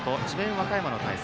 和歌山の対戦。